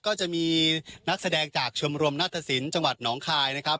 ก็จะมีนักแสดงจากชมรมนาตสินจังหวัดหนองคายนะครับ